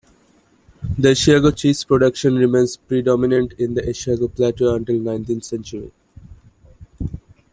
The Asiago cheese production remains predominant in the Asiago Plateau until the nineteenth century.